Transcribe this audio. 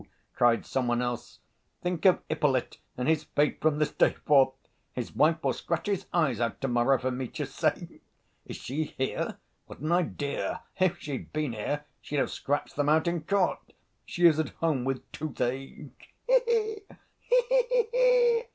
cried some one else; "think of Ippolit and his fate from this day forth. His wife will scratch his eyes out to‐morrow for Mitya's sake." "Is she here?" "What an idea! If she'd been here she'd have scratched them out in court. She is at home with toothache. He he he!" "He he he!"